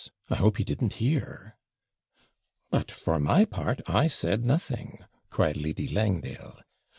I hope he didn't hear.' 'But, for my part, I said nothing,' cried Lady Langdale.